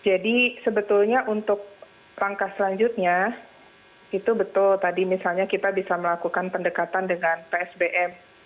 jadi sebetulnya untuk langkah selanjutnya itu betul tadi misalnya kita bisa melakukan pendekatan dengan psbm